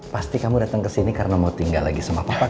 pasti kamu datang kesini karena mau tinggal lagi sama papa kan